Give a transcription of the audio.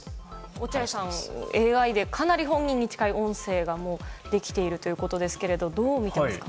落合さん、ＡＩでかなり本人に近い音声がもうできているということですがどうみていますか？